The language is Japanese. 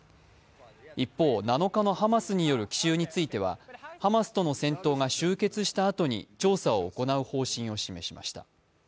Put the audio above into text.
一方、７日のハマスによる奇襲についてはハマスとの戦闘が終結したあとに調査を行う方針を示しました。